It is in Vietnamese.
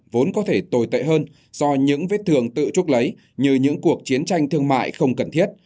vốn có thể tồi tệ hơn do những vết thường tự trúc lấy như những cuộc chiến tranh thương mại không cần thiết